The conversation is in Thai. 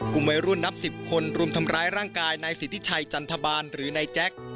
กลุ่มวัยรุ่นนับ๑๐คนรุมทำร้ายร่างกายนายสิทธิชัยจันทบาลหรือนายแจ็ค